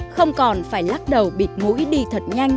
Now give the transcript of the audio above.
không còn phải lắc đầu bịt mũi đi thật nhanh